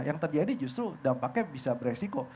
yang terjadi justru dampaknya bisa beresiko